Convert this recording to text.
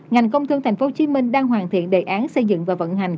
ngành công thương tp hcm đang hoàn thiện đề án xây dựng và vận hành